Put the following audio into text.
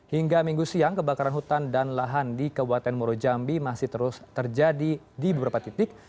hingga minggu siang kebakaran hutan dan lahan di kabupaten murojambi masih terus terjadi di beberapa titik